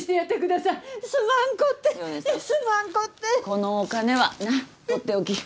このお金はなっ取っておき。